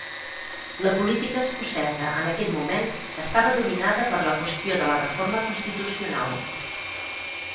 La política escocesa en aquest moment estava dominada per la qüestió de la reforma constitucional.